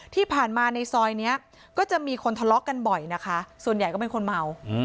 ที่ผ่านมาในซอยนี้ก็จะมีคนทะเลาะกันบ่อยนะคะส่วนใหญ่ก็เป็นคนเมา